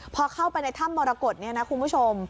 พอเข้าไปในถ้ำมรกฏเนี่ยนะคุณผู้ชม